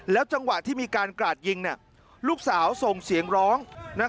จังหวะที่มีการกราดยิงลูกสาวส่งเสียงร้อง